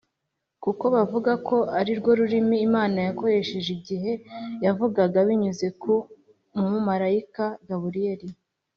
kuko bavuga ko ari rwo rurimi imana yakoresheje igihe yavugaga binyuze ku mumarayika gaburiyeli.